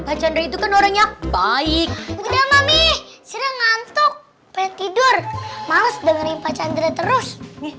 pacar itu kan orangnya baik udah mami sudah ngantuk pengen tidur males dengerin pacar terus